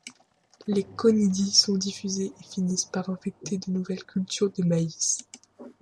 Les conidies sont diffusées et finissent par infecter de nouvelles cultures de maïs.